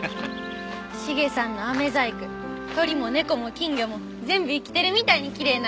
茂さんのあめ細工鳥も猫も金魚も全部生きてるみたいにきれいなんや。